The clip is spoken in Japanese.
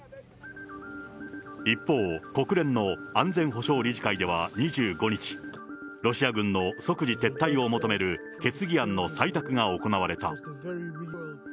一方、国連の安全保障理事会では２５日、ロシア軍の即時撤退を求める決議案の採択が行われた。